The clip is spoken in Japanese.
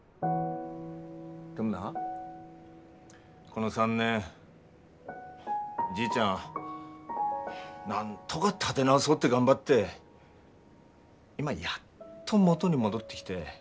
でもなこの３年じいちゃんなんとか立て直そうって頑張って今やっと元に戻ってきて。